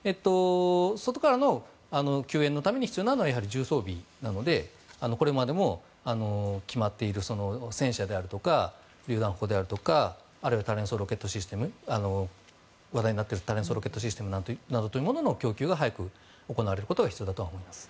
外からの救援のために必要なのは重装備なのでこれまでも決まっている戦車であるとかりゅう弾砲であるとかあるいは話題になっている多連装ロケットシステムなどというものの供給が早く行われることが必要だと思います。